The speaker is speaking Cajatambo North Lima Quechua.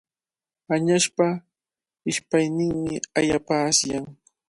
Añaspa ishpayninmi allaapa asyan.